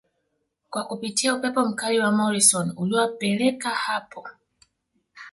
kwa kupitia upepo mkali wa Morisoon uliowapeleka hapo